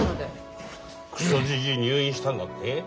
クソジジイ入院したんだって？